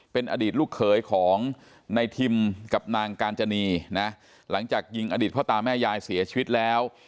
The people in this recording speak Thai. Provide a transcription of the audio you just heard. เป็นอดีตลูกเขยของในทิมกับนางกาญจนีนะหลังจากยิงอดีตพ่อตาแม่ยายเสียชีวิตแล้ว